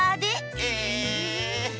え！